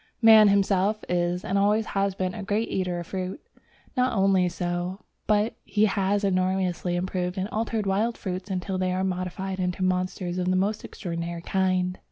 Man himself is, and has always been, a great eater of fruit. Not only so, but he has enormously improved and altered wild fruits until they are modified into monsters of the most extraordinary kind.